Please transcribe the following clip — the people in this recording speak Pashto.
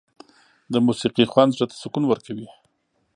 د موسيقۍ خوند زړه ته سکون ورکوي.